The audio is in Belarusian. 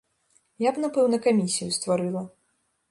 Я б напэўна камісію стварыла.